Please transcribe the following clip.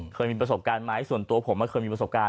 เคยมีประสบการณ์ไหมส่วนตัวผมเคยมีประสบการณ์